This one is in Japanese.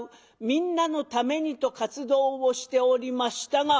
みんなのためにと活動をしておりましたが。